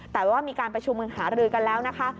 แต่ว่ามีการประชุมหารือกันแล้วนะคะ